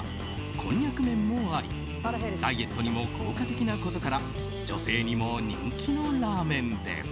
こんにゃく麺もありダイエットにも効果的なことから女性にも人気のラーメンです。